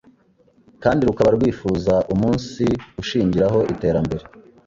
kandi rukaba rwifuza umunsiwushingiraho iterambere